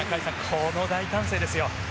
この大歓声ですよ。